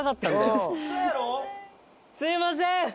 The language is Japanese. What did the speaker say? すいません！